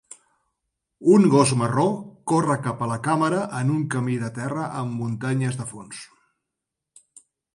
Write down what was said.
Un gos marró corre cap a la càmera en un camí de terra amb muntanyes de fons.